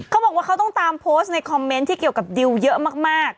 เขาบอกว่าเขาต้องตามโพสต์ในคอมเมนต์ที่เกี่ยวกับดิวเยอะมาก